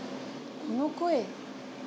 この声。